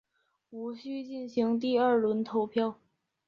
无须进行第二轮投票。